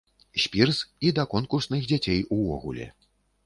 Спірз і да конкурсных дзяцей увогуле.